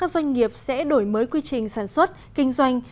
doanh nghiệp sẽ đổi mới quy trình sản xuất kinh doanh